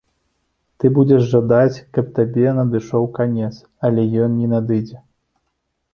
Ты будзеш жадаць, каб табе надышоў канец, але ён не надыдзе.